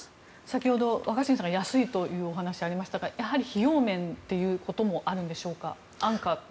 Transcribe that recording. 先ほど、若新さんが安いという話がありましたがやはり費用面ということもあるんでしょうか。